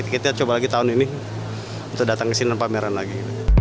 kita coba lagi tahun ini untuk datang ke sini dan pameran lagi